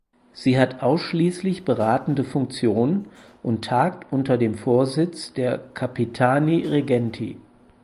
Sie hat ausschließlich beratende Funktionen und tagt unter dem Vorsitz der Capitani Reggenti.